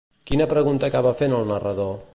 Quina pregunta acaba fent el narrador?